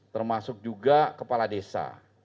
termasuk juga kepala desa